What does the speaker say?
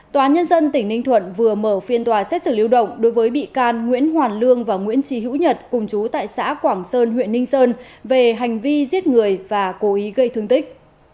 tòa nhân dân tỉnh ninh thuận vừa mở phiên tòa xét xử lưu động đối với bị can nguyễn hoàn lương và nguyễn trí hữu nhật cùng chú tại xã quảng sơn huyện ninh sơn về hành vi giết người và cố ý gây thương tích